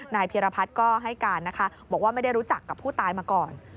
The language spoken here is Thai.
พีรพัฒน์ก็ให้การนะคะบอกว่าไม่ได้รู้จักกับผู้ตายมาก่อน